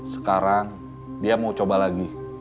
sekarang dia mau coba lagi